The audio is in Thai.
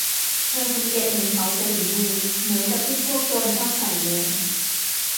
เธอสังเกตเห็นเขาใส่ถุงมือ เหมือนกับที่พวกโจรชอบใส่เลย